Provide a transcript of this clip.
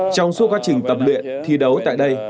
trong suốt quá trình tập luyện thi đấu tại đây